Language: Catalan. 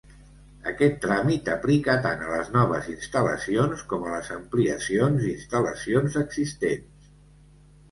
Aquest tràmit aplica tant a les noves instal·lacions com a les ampliacions d'instal·lacions existents.